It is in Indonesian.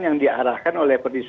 yang diarahkan oleh penelitian hakim